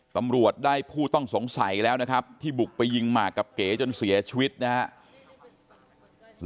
ตำรวจได้ผู้ต้องสงสัยแล้วนะครับที่บุกไปยิงหมากกับเก๋จนเสียชีวิตนะครับ